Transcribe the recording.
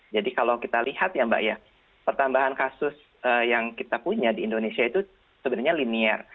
jadi kalau kita lihat ya mbak ya pertambahan kasus yang kita punya di indonesia itu sebenarnya linier